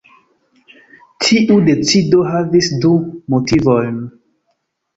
Tiu decido havis du motivojn.